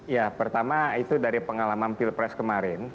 ya pertama itu dari pengalaman pilpres kemarin